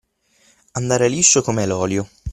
Andare liscio come l'olio.